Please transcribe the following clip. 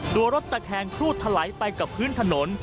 รถตะแคงครูดทะไหลไปกับพื้นถนน